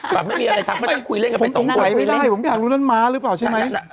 แบบไม่มีอะไรทำก็นั่งคุยเล่นกันไปสงสัยไม่ได้ผมอยากรู้นั่นม้าหรือเปล่าใช่ไหม